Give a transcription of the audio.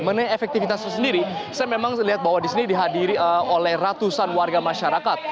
mengenai efektivitas sendiri saya memang melihat bahwa di sini dihadiri oleh ratusan warga masyarakat